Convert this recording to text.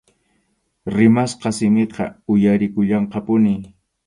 Rimasqa simiqa uyarikullanqapuni.